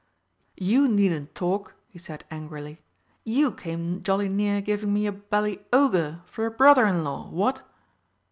"You needn't talk!" he said angrily. "You came jolly near giving me a bally ogre for a brother in law what?"